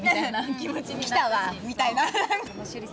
「きたわ」みたいな。